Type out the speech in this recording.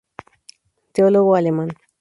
Teólogo alemán.